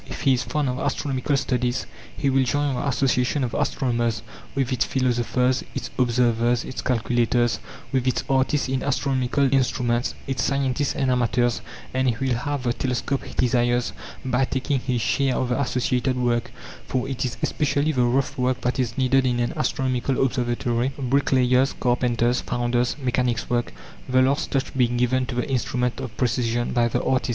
If he is fond of astronomical studies he will join the association of astronomers, with its philosophers, its observers, its calculators, with its artists in astronomical instruments, its scientists and amateurs, and he will have the telescope he desires by taking his share of the associated work, for it is especially the rough work that is needed in an astronomical observatory bricklayer's, carpenter's, founder's, mechanic's work, the last touch being given to the instrument of precision by the artist.